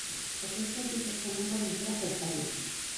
Porque hai servizos que non poden ser aceptables.